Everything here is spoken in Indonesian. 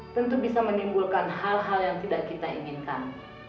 tentu bisa menimbulkan hal hal yang tidak kita inginkan